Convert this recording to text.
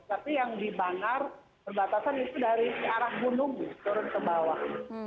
tapi yang di bangar perbatasan itu dari arah gunung turun ke bawah